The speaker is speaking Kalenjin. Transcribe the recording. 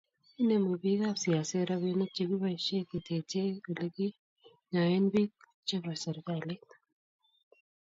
inemu bikap siaset robinik chegiboishe keteche oleginyoen biik chebo serikalit